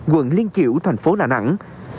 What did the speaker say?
quận liên chiểu thành phố đà nẵng